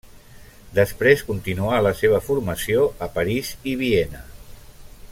Després continuà la seva formació a París i Viena.